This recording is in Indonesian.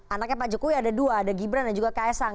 anaknya pak jokowi ada dua ada gibran dan juga ks sang